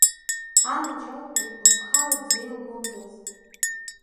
Анаџьалбеит, лыԥхала дзеилгондаз.